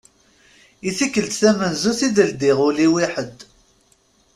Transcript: I tikkelt tamenzut i d-ldiɣ ul-iw i ḥed.